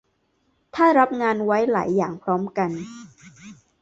ถ้ารับงานไว้หลายอย่างพร้อมกัน